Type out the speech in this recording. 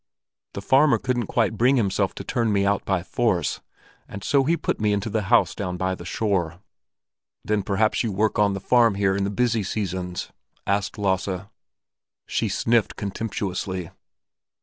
The farmer couldn't quite bring himself to turn me out by force, and so he put me into the house down by the shore." "Then perhaps you work on the farm here in the busy seasons?" asked Lasse. She sniffed contemptuously.